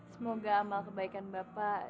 semoga amal kebaikan bapak